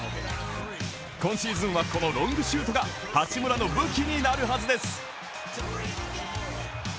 今シーズンは、このロングシュートが八村の武器になるはずです。